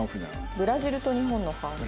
ブラジルと日本のハーフ。